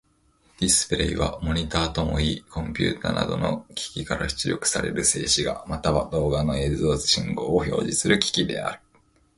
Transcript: ディスプレイはモニタともいい、コンピュータなどの機器から出力される静止画、または動画の映像信号を表示する機器である。